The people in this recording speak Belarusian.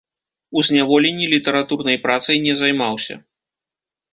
У зняволенні літаратурнай працай не займаўся.